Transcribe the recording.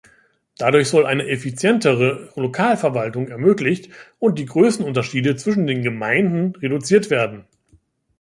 Dadurch soll eine effizientere Lokalverwaltung ermöglicht und die Größenunterschiede zwischen den Gemeinden reduziert werden.